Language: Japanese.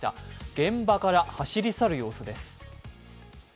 現場から走り去る様子です。